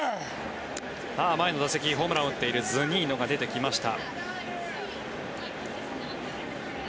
前の打席ホームランを打っているズニーノが出てきました。